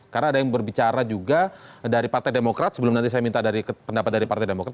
karena ada yang berbicara juga dari partai demokrat sebelum nanti saya minta pendapat dari partai demokrat